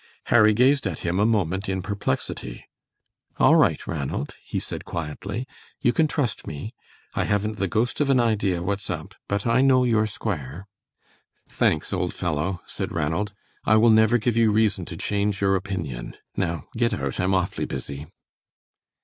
Harry gazed at him a moment in perplexity. "All right, Ranald," he said, quietly, "you can trust me. I haven't the ghost of an idea what's up, but I know you're square." "Thanks, old fellow," said Ranald, "I will never give you reason to change your opinion. Now get out; I'm awfully busy."